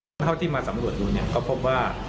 เท่าที่มาสำรวจดูเนี่ยก็พบว่า